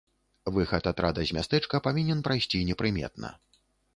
Выхад атрада з мястэчка павінен прайсці непрыметна.